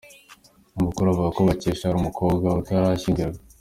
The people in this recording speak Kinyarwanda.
Amakuru avuga ko Bakesha yari umukobwa utarashyingirwa.